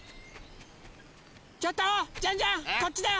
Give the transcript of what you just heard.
ちょっとジャンジャンこっちだよ！